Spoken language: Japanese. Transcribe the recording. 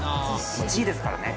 １位ですからね。